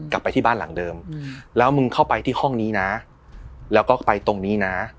กลับไปที่บ้านหลังเดิมแล้วมึงเข้าไปที่ห้องนี้นะแล้วก็ไปตรงนี้นะ